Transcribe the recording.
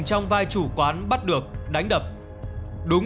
trong vai chủ quán bắt được đánh đập đúng